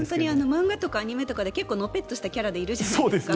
漫画とかアニメとかでのぺっとしたキャラでいるじゃないですか。